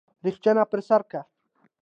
رخچينه پر سر که.